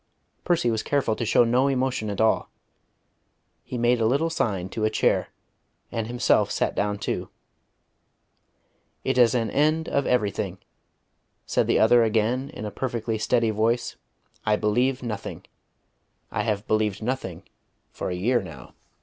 Percy was careful to show no emotion at all. He made a little sign to a chair, and himself sat down too. "It is an end of everything," said the other again in a perfectly steady voice. "I believe nothing. I have believed nothing for a year now."